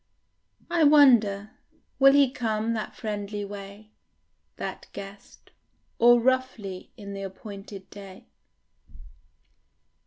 I wonder; will he come that friendly way, That guest, or roughly in the appointed day?